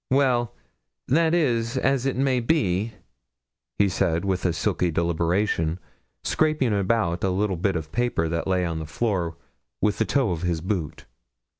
'Well, that is as it may be,' he said, with a sulky deliberation, scraping about a little bit of paper that lay on the floor with the toe of his boot.